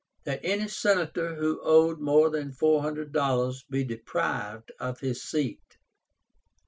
That any Senator who owed more than four hundred dollars be deprived of his seat.